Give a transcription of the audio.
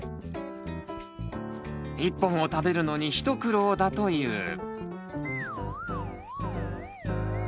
１本を食べるのに一苦労だという。